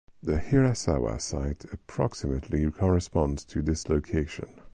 The Hirasawa site approximately corresponds to this location.